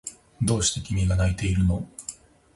どうして君が泣いているの？